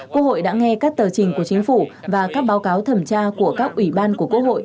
quốc hội đã nghe các tờ trình của chính phủ và các báo cáo thẩm tra của các ủy ban của quốc hội